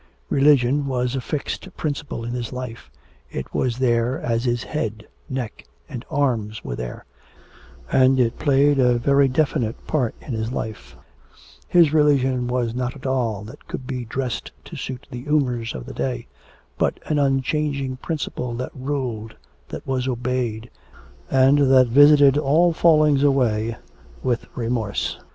Religion was a fixed principle in his life; it was there as his head, neck, and arms were there; and it played a very definite part in his life; his religion was not a doll that could be dressed to suit the humours of the day, but an unchanging principle that ruled, that was obeyed, and that visited all fallings away with remorse.